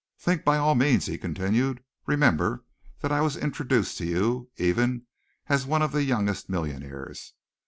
"Think, by all means," he continued. "Remember that I was introduced to you, even, as one of the youngest millionaires.